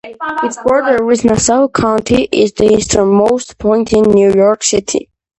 Its border with Nassau County is the easternmost point in New York City.